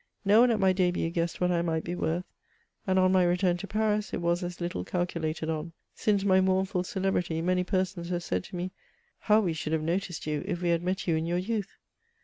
No one at my d^but guessed what I might be worth ; and on my return to Paris, it was as little calculated on. Since my mournful celebrity many persons have said to me ;" How we should have noticed you if we had met you in your youth